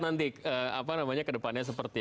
nanti apa namanya kedepannya seperti